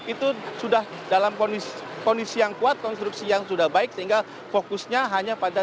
itu sudah dalam kondisi yang kuat konstruksi yang sudah baik sehingga fokusnya hanya pada